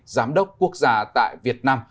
giám đốc quốc gia tại việt nam